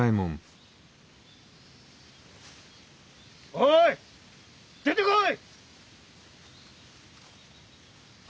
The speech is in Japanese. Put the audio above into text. おい出てこい！